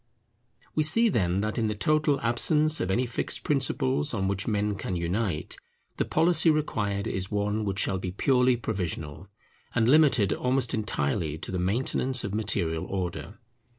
We see, then, that in the total absence of any fixed principles on which men can unite, the policy required is one which shall be purely provisional, and limited almost entirely to the maintenance of material order.